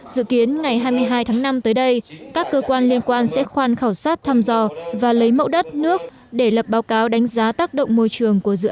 dự kiến ngày hai mươi hai tháng năm tới đây các cơ quan liên quan sẽ khoan khảo sát thăm dò và lấy mẫu đất nước để lập báo cáo đánh giá tác động môi trường của dự án